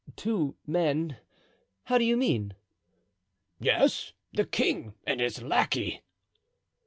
"Two men—how do you mean?" "Yes, the king and his lackey."